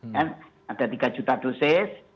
kan ada tiga juta dosis